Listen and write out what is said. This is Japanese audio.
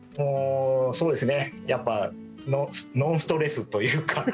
そうですねやっぱノンストレスというか。